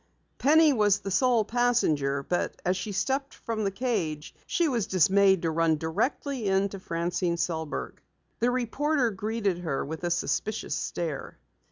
Penny was the sole passenger, but as she stepped from the cage, she was dismayed to run directly into Francine Sellberg. The reporter greeted her with a suspicious stare.